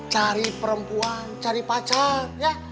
cari perempuan cari pacar ya